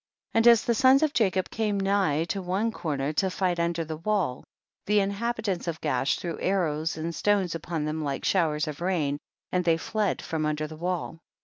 23. And as the sons of Jacob came nigh to one corner to fight un der the wall, the inhabitants of Gaash threw arrows and stones upon them like showers of rain, and they fled from under the wall.